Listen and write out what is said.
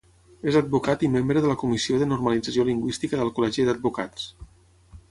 És advocat i membre de la Comissió de Normalització Lingüística del Col·legi d’Advocats.